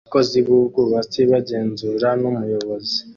Abakozi b'ubwubatsi bagenzurwa n'umuyobozi